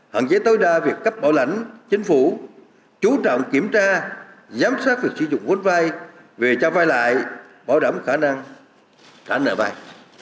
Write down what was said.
hạn chế tối đa việc cấp bảo lãnh chính phủ chú trọng kiểm tra giám sát việc sử dụng vốn vai về cho vai lại bảo đảm khả năng trả nợ vay